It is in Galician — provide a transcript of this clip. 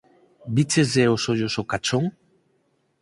Vícheslle os ollos ao Cachón?